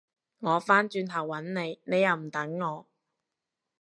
我返轉頭搵你，你又唔等我